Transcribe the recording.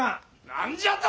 何じゃと！？